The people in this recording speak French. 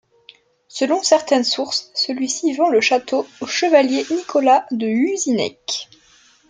Selon certaines sources, celui-ci vend le château au chevalier Nicolas de Husinec.